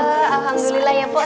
ya allah ya pak